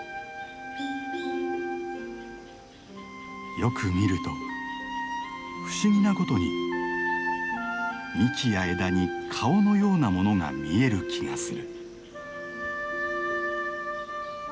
よく見ると不思議なことに幹や枝に顔のようなものが見える気がする。